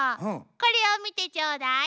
これを見てちょうだい。